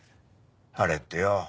あれってよ